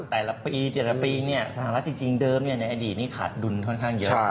แต่ละปีสถานะจริงเดิมในอดีตนี้ขาดดุลค่อนข้างเยอะ